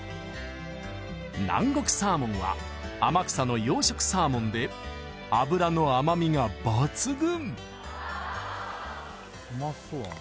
南国サーモンは天草の養殖サーモンで脂の甘みが抜群！